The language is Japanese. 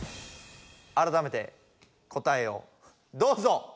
あらためて答えをどうぞ。